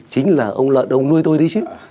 chính là ông lợn ông nuôi tôi đi chứ